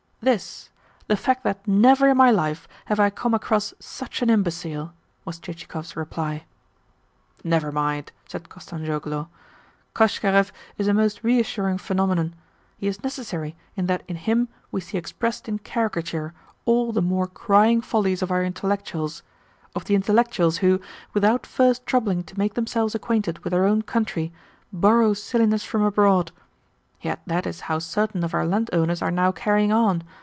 "This the fact that never in my life have I come across such an imbecile," was Chichikov's reply. "Never mind," said Kostanzhoglo. "Koshkarev is a most reassuring phenomenon. He is necessary in that in him we see expressed in caricature all the more crying follies of our intellectuals of the intellectuals who, without first troubling to make themselves acquainted with their own country, borrow silliness from abroad. Yet that is how certain of our landowners are now carrying on.